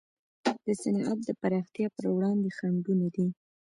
د صنعت د پراختیا پر وړاندې خنډونه دي.